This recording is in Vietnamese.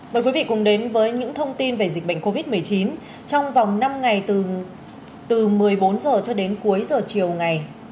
mời quý vị cùng đến với những thông tin về dịch bệnh covid một mươi chín trong vòng năm ngày từ một mươi bốn h cho đến cuối giờ chiều ngày